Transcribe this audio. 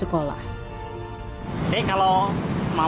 mereka tidak hanya berdua tetapi juga berdua berada di sekolah